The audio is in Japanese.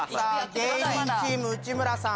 芸人チーム内村さん。